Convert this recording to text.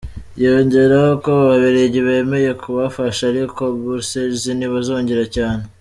Yongeraho ko ababiligi bemeye kubafasha ariko bourses ntibazongera cyane.